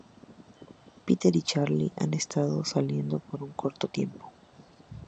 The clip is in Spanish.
Peter y Carlie han estado saliendo por un corto tiempo.